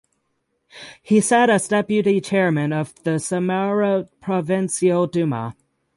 He sat as Deputy Chairman of the Samara Provincial Duma.